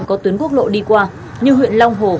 có tuyến quốc lộ đi qua như huyện long hồ